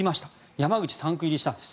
山口３区入りしたんです。